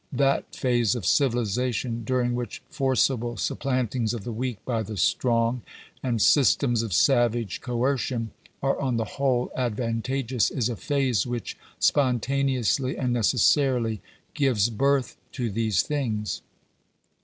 That phase of civilization during which forcible supplantings of the weak by the strong, and systems of savage coercion, are on the whole advantageous, is a phase which spontaneously and necessarily gives birth to these things.